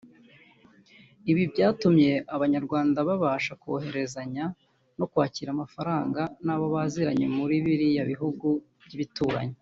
Ibi byatumye Abanyarwanda babasha kohererezanya no kwakira amafaranga n’abo baziranye muri biriya bihugu by’ibituranyi